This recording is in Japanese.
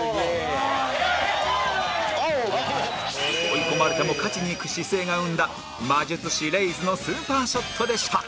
追い込まれても勝ちにいく姿勢が生んだ魔術師レイズのスーパーショットでした